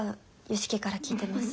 良樹から聞いてます。